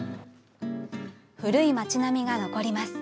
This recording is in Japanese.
古い町並みが残ります。